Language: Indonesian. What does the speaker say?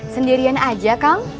sendirian aja kang